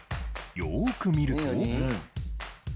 よーく見ると。